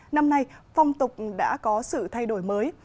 năm nay phong tục đã có sự thay đổi mới